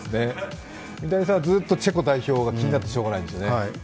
三谷さんはずっとチェコ代表が気になってしょうがないんですよね。